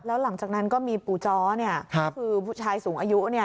แล้วหลังจากนั้นก็มีปู่จ้อก็คือผู้ชายสูงอายุ